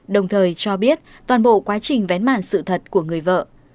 đồng thời cho biết toàn bộ quá trình vén màn sự thật của người vợ